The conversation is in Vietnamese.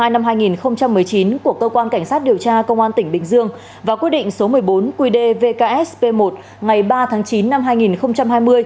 tháng một mươi hai năm hai nghìn một mươi chín của cơ quan cảnh sát điều tra công an tỉnh bình dương và quyết định số một mươi bốn qd vks p một ngày ba tháng chín năm hai nghìn hai mươi